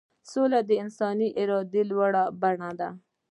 سوله د انساني ارادې لوړه بڼه ده.